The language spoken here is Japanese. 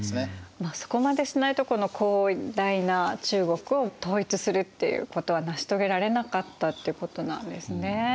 まあそこまでしないとこの広大な中国を統一するっていうことは成し遂げられなかったってことなんですね。